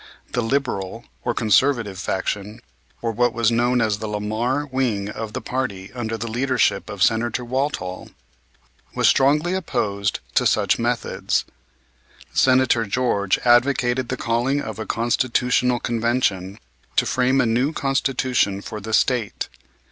The liberal or conservative faction, or what was known as the Lamar wing of the party under the leadership of Senator Walthall, was strongly opposed to such methods. Senator George advocated the calling of a Constitutional Convention, to frame a new Constitution for the State.